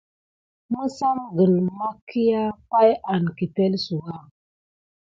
Məsamgəŋ mahkià pay an kəpelsouwa.